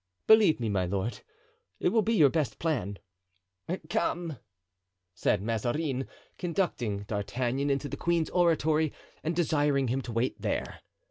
"Believe me, my lord, it will be your best plan." "Come," said Mazarin, conducting D'Artagnan into the queen's oratory and desiring him to wait there.